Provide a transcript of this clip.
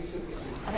あれ？